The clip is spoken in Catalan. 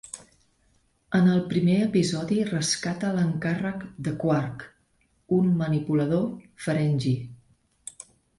En el primer episodi rescata l'encàrrec de Quark, un manipulador Ferengi.